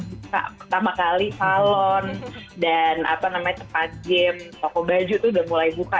nah pertama kali salon dan apa namanya tempat gym toko baju tuh udah mulai buka